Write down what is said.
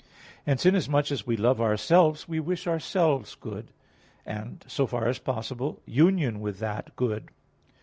Hence, inasmuch as we love ourselves, we wish ourselves good; and, so far as possible, union with that good.